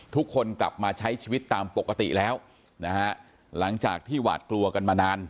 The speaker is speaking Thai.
ทุกคนกลับมาใช้ชีวิตตามปกติแล้วนะฮะหลังจากที่หวาดกลัวกันมานาน